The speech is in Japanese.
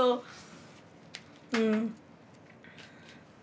うん。